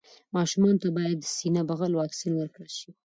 ماشومانو ته باید د سینه بغل واکسين ورکړل شي.